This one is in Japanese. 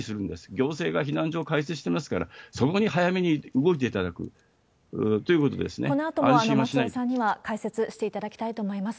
行政が避難所を開設してますから、そこに早めに動いていただくといこのあとも松尾さんには解説していただきたいと思います。